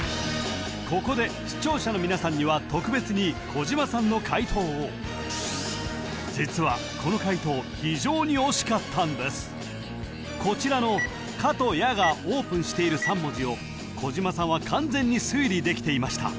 ここで視聴者の皆さんには特別に小島さんの解答を実はこの解答非常に惜しかったんですこちらの「か」と「や」がオープンしている３文字を小島さんは完全に推理できていました